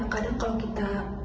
kadang kalau kita